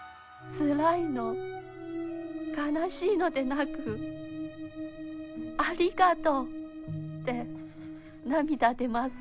「つらいの悲しいのでなくありがとうで涙出ます」